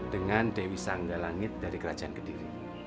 dengan dewi sanggalangit dari kerajaan kediri